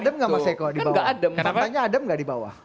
faktanya adem tidak mas eko di bawah